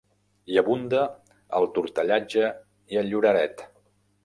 Hi abunda el tortellatge i el lloreret.